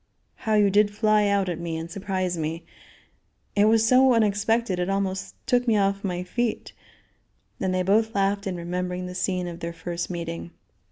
How you did fly out at me and surprise me. It was so unexpected it almost took me off my feet," and they both laughed in remembering the scene of their first meeting.